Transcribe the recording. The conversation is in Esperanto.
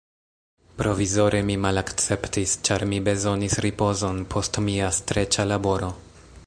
Provizore mi malakceptis, ĉar mi bezonis ripozon post mia streĉa laboro.